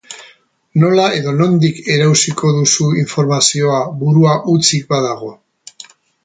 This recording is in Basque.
Nola eta nondik erauziko duzu informazioa burua hutsik badago?